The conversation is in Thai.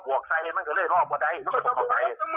เขาบอกว่าคอยดูแลก่อนมึงจะเข้าไปก็ปรีดูแลเป็นวันขาพันธุ์